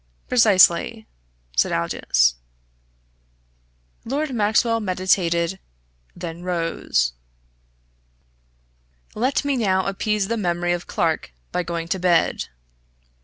"Precisely," said Aldous. Lord Maxwell meditated; then rose. "Let me now appease the memory of Clarke by going to bed!"